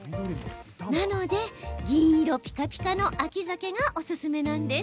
なので、銀色ピカピカの秋ザケがおすすめなんです。